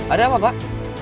ada apa pak